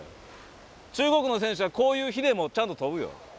中国の選手はこういう日でもちゃんと飛ぶよ。